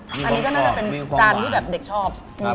อันนี้ก็น่าจะเป็นจานที่แบบเด็กชอบ